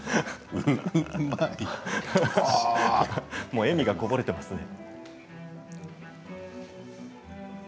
もう笑みがこぼれていますね。